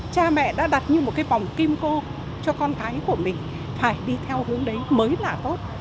cha mẹ đã đặt như một cái vòng kim cô cho con cái của mình phải đi theo hướng đấy mới là tốt